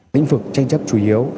lĩnh vực tranh chấp chủ yếu